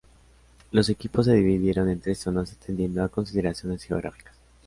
Los equipos se dividieron en tres zonas atendiendo a consideraciones geográficas.